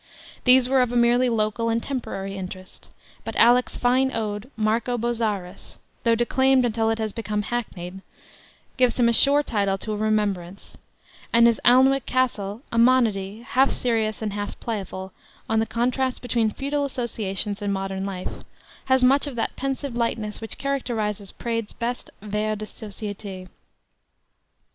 These were of a merely local and temporary interest; but Halleck's fine ode, Marco Bozzaris though declaimed until it has become hackneyed gives him a sure title to a remembrance; and his Alnwick Castle, a monody, half serious and half playful on the contrasts between feudal associations and modern life, has much of that pensive lightness which characterizes Praed's best vers de societé.